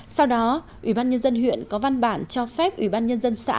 sau đó ủy ban nhân dân huyện có văn bản cho phép ủy ban nhân dân xã